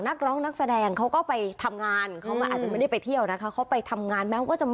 นักร้องนักแสดงเขาก็ไปทำงาน